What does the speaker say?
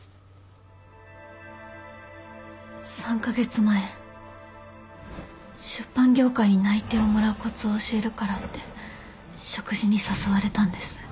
３カ月前出版業界に内定をもらうコツを教えるからって食事に誘われたんです。